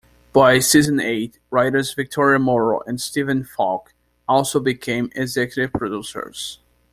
By season eight, writers Victoria Morrow and Stephen Falk also became executive producers.